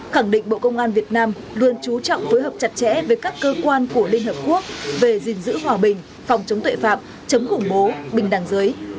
khẳng định bộ công an việt nam luôn trú trọng phối hợp chặt chẽ với các cơ quan của liên hợp quốc về gìn giữ hòa bình phòng chống tuệ phạm chấm khủng bố bình đẳng giới